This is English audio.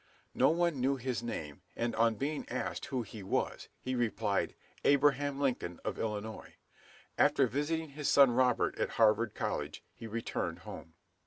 No one knew his name, and on being asked who he was, he replied, "Abraham Lincoln of Illinois." After visiting his son Robert at Harvard College, he returned home.